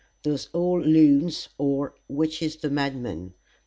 THOSE OLD LUNES! OR, WHICH IS THE MADMAN?